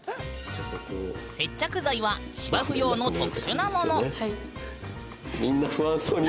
接着剤は芝生用の特殊なもの。